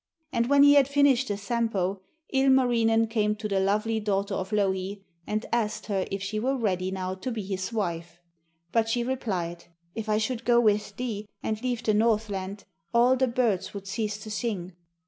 And when he had finished the Sampo, Ilmarinen came to the lovely daughter of Louhi and asked her if she were ready now to be his wife. But she replied: 'If I should go with thee, and leave the Northland, all the birds would cease to sing.